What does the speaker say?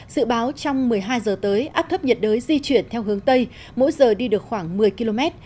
dự báo trong một mươi hai giờ tới áp thấp nhiệt đới di chuyển theo hướng tây mỗi giờ đi được khoảng một mươi km